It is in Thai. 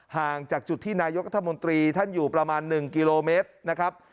ห่างจากจุดที่นายกรัฐมนตรีท่านอยู่ประมาณ๑กิโลเมตรนะครับ